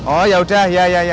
oh yaudah ya ya ya